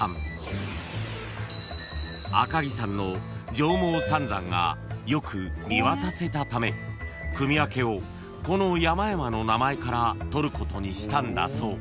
［上毛三山がよく見渡せたため組分けをこの山々の名前から取ることにしたんだそう］